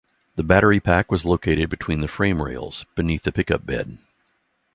The battery pack was located between the frame rails, beneath the pickup bed.